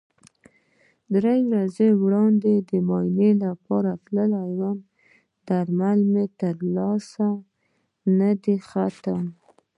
درې ورځې وړاندې د معاینې لپاره تللی وم، درملنه مې تر اوسه نده ختمه.